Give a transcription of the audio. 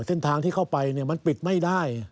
เส้นทางที่เข้าไปมันปิดไม่ได้